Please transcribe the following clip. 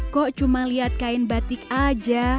kok cuma lihat kain batik aja